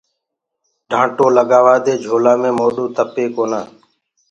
ڍآٽو لگآوآ دي جھولآ مي موڏو تپي ڪونآ۔